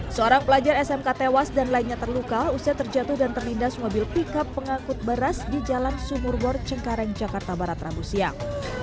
seorang pelajar smk tewas dan lainnya terluka usai terjatuh dan terlindas mobil pickup pengangkut beras di jalan sumurbor cengkareng jakarta barat rabu siang